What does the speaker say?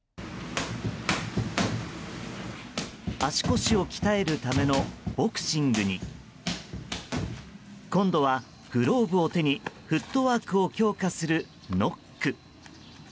足腰を鍛えるためのボクシングに今度はグローブを手にフットワークを強化するノック。